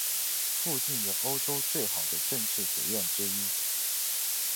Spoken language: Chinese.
附近有欧洲最好的政治学院之一。